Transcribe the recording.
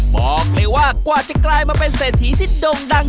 บอกเลยว่ากว่าจะกลายมาเป็นเศรษฐีที่ด่งดัง